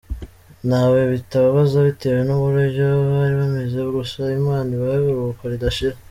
Ntawe bitababaza bitewe nuburyo bari bameze, gusa Imana ibahe iruhuko ridashira.